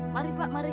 mari pak mari